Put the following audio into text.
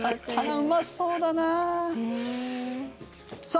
うまそうだなあ。